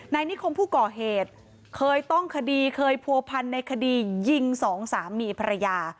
นายนิคมผู้ก่อเหตุเคยต้องคดีเคยผัวพันในคดียิงสองสามีภรรยา